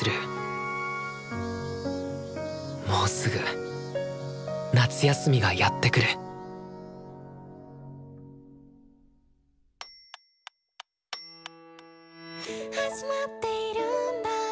もうすぐ夏休みがやってくる「始まっているんだ